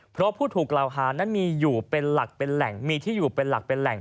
เพราะผู้ถูกกล่าวหานั้นมีที่อยู่เป็นหลักเป็นแหล่ง